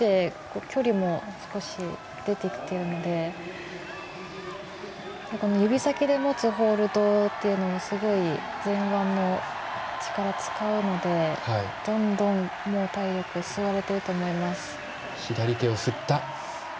少し出てきているので多分、指先で持つホールドっていうのがすごい前腕の力を使うのでどんどん、もう体力吸われていくと思います。